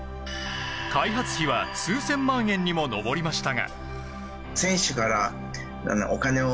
開発費は数千万円にも上りましたが。